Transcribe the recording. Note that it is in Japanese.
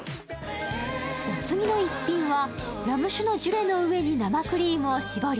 お次の逸品はラム酒のジュレの上に生クリームを絞り